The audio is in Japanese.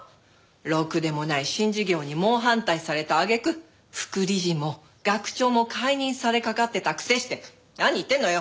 ろくでもない新事業に猛反対された揚げ句副理事も学長も解任されかかってたくせして何言ってんのよ！